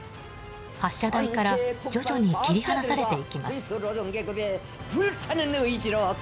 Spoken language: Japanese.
発射台から徐々に切り離されていきます。